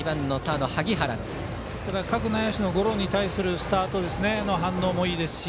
各内野手のゴロに対するスタートの反応もいいですし。